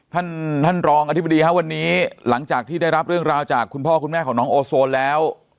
ท่านท่านรองอธิบดีครับวันนี้หลังจากที่ได้รับเรื่องราวจากคุณพ่อคุณแม่ของน้องโอโซนแล้ว